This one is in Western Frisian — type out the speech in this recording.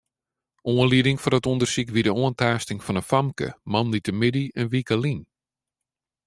Oanlieding foar it ûndersyk wie de oantaasting fan in famke moandeitemiddei in wike lyn.